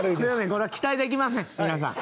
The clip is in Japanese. これは期待できません、皆さん。